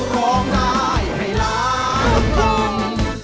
ร้องได้ให้ล้าง